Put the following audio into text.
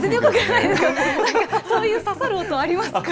なんか、そういう刺さる音、ありますか？